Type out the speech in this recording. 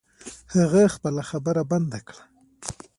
هغه خپله خبره بند کړه.